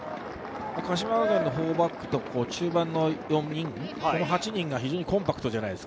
鹿島学園の４バックと中盤が４人、８人が非常にコンパクトです。